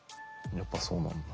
やっぱそうなんだ。